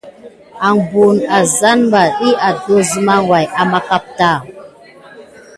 An buwune azzane ɓà, ɗiy adoŋ əzem way ama kapta.